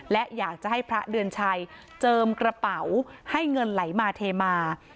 และอยากจะให้พระเดือนชัยเจิมกระเป๋าให้เงินไหลมาเทมา